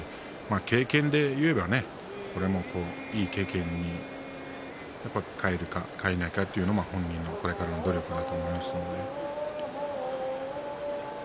経験でいえば、これもいい経験に変えるか変えないのか本人の努力だと思います。